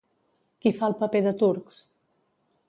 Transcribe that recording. Qui fa el paper de Turks?